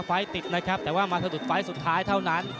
ไฟล์ติดนะครับแต่ว่ามาสะดุดไฟล์สุดท้ายเท่านั้น